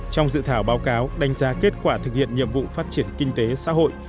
trong dự thảo báo cáo đánh giá kết quả thực hiện nhiệm vụ phát triển kinh tế xã hội